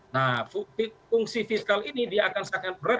nah fungsi fiskal ini dia akan semakin berat